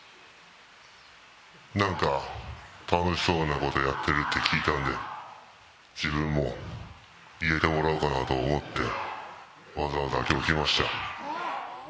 楽しそうなことやってるって聞いたんで、自分も入れてもらおうかなと思ってわざわざ今日、来ました。